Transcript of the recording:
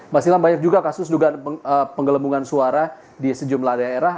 mas ilham banyak juga kasus dugaan penggelembungan suara di sejumlah daerah